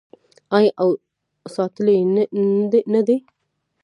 آیا او ساتلی یې نه دی؟